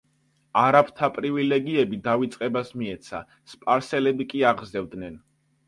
არაბთა პრივილეგიები დავიწყებას მიეცა, სპარსელები კი აღზევდნენ.